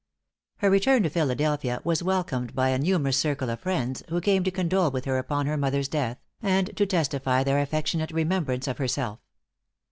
Her return to Philadelphia was welcomed by a numerous circle of friends, who came to condole with her upon her mother's death, and to testify their affectionate remembrance of herself.